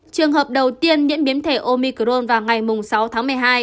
trường hợp đầu tiên nhiễm biến thể omicrone vào ngày sáu tháng một mươi hai